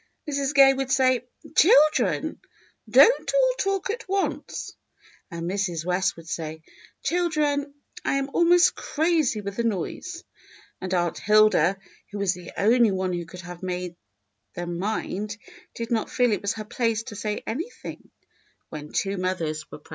Mrs. Gay would say, "Children, don't all talk at once." And Mrs. West would say, "Children, I am almost crazy with the noise." And Aunt Hilda, who was the only one who could have made them mind, did not feel it was her place to say anything when two mothers were present.